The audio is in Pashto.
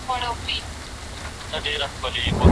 دا ژوند د ارمانونو یوه لنډه وقفه ده.